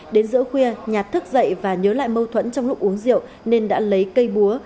đến giữa khuya nhạt thức dậy và nhớ lại mâu thuẫn trong lúc uống rượu nên đã lấy cây búa